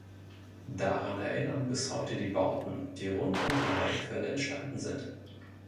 Daran erinnern bis heute die Bauten, die rund um die Heilquelle entstanden sind.